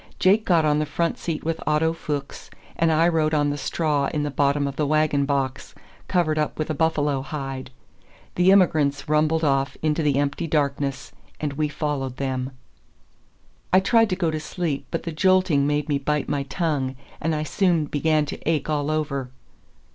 Jake got on the front seat with Otto Fuchs, and I rode on the straw in the bottom of the wagon box, covered up with a buffalo hide. The immigrants rumbled off into the empty darkness, and we followed them. I tried to go to sleep, but the jolting made me bite my tongue, and I soon began to ache all over.